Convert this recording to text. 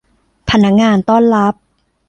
พนักงานต้อนรับ